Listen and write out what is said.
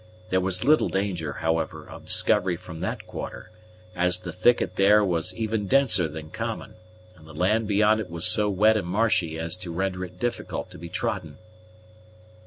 There was little danger, however, of discovery from that quarter, as the thicket there was even denser than common, and the land beyond it was so wet and marshy as to render it difficult to be trodden.